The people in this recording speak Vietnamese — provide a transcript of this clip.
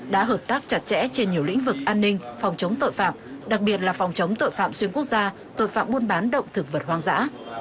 đã hợp tác chặt chẽ trên nhiều lĩnh vực an ninh phòng chống tội phạm đặc biệt là phòng chống tội phạm xuyên quốc gia tội phạm buôn bán động thực vật hoang dã